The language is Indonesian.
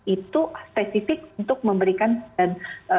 itu spesifik untuk memberikan dan